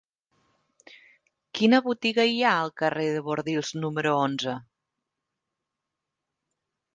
Quina botiga hi ha al carrer de Bordils número onze?